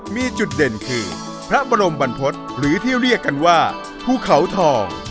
มีจุดเด่นคือพระบรมบรรพฤษหรือที่เรียกกันว่าภูเขาทอง